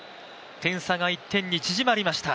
点差が１点に縮まりました。